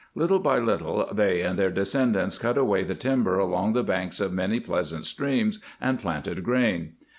Little by little they and their de scendants cut away the timber along the banks of many pleasant streams and planted grain.